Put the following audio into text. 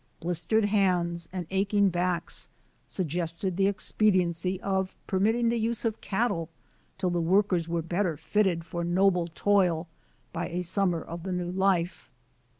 Blistered hands and aching backs suggested the expediency of permitting the use of cattle till the workers were better fitted for noble toil by a summer of the new life.